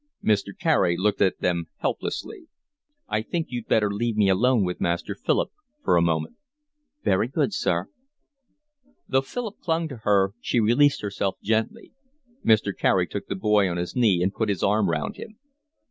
Mr. Carey looked at them helplessly. "I think you'd better leave me alone with Master Philip for a moment." "Very good, sir." Though Philip clung to her, she released herself gently. Mr. Carey took the boy on his knee and put his arm round him.